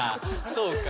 そうか。